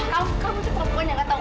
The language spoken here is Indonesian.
kamu kamu seperempuannya nggak tahu